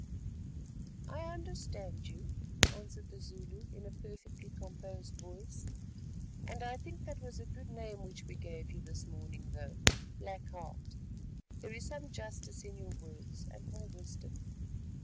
"I understand you," answered the Zulu, in a perfectly composed voice, "and I think that was a good name which we gave you this morning, though, Black Heart, there is some justice in your words and more wisdom.